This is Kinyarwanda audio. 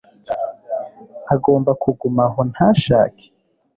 agomba kuguma aho ntashake